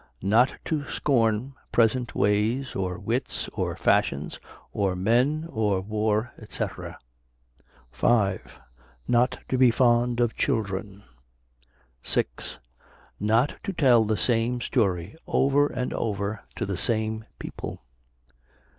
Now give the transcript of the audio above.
Not to scorn present ways, or wits, or fashions, or men, or war, &c. 5. Not to be fond of children. 6. Not to tell the same story over and over to the same people.